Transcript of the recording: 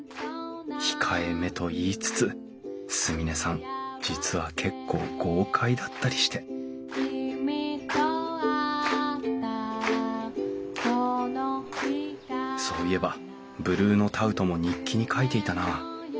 控えめと言いつつ純音さん実は結構豪快だったりしてそういえばブルーノ・タウトも日記に書いていたな。